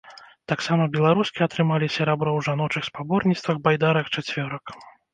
Таксама беларускі атрымалі серабро ў жаночых спаборніцтвах байдарак-чацвёрак.